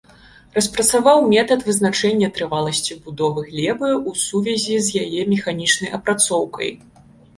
Распрацаваў метад вызначэння трываласці будовы глебы ў сувязі з яе механічнай апрацоўкай.